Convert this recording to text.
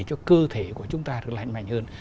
cho cơ thể của chúng ta được lành mạnh hơn